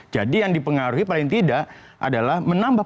jadi yang dipengaruhi paling tidak adalah memperdagangkan